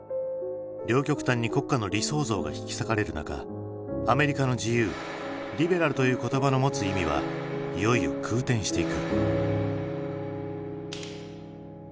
両極端に国家の理想像が引き裂かれる中アメリカの自由リベラルという言葉の持つ意味はいよいよ空転していく。